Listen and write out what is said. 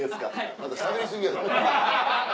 あんたしゃべり過ぎや。